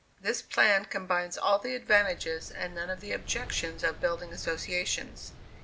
This plan combines all the advantages and none of the objections of Building Associations.